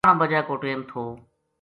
بارہ بجے کو ٹیم تھو